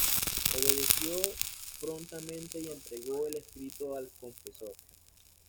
Obedeció prontamente y entregó el escrito al confesor.